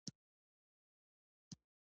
مړه ته د الله ج د عظمت خواست کوو